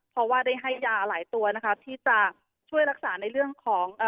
เพราะว่าได้ให้ยาหลายตัวนะคะที่จะช่วยรักษาในเรื่องของเอ่อ